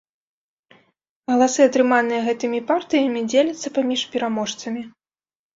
Галасы, атрыманыя гэтымі партыямі, дзеляцца паміж пераможцамі.